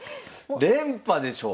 連覇でしょ？